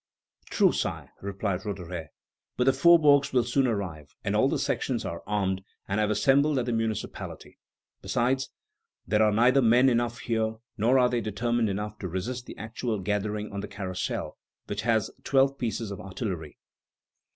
"True, Sire," replied Roederer; "but the faubourgs will soon arrive, and all the sections are armed, and have assembled at the municipality; besides, there are neither men enough here, nor are they determined enough to resist the actual gathering on the Carrousel, which has twelve pieces of artillery."